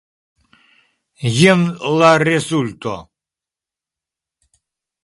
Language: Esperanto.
Jen la rezulto.